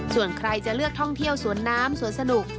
ส่วนใครจะเลือกท่องเที่ยวสวนน้ำสวนสนุก